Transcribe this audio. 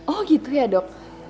oh gitu ya dok